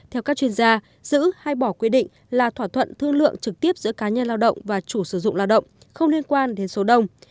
theo các chuyên gia giữ hay bỏ quy định là thỏa thuận thương lượng trực tiếp giữa cá nhân lao động và chủ sử dụng lao động không liên quan đến số đông